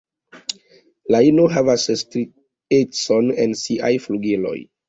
La ino havas striecon en siaj flugiloj.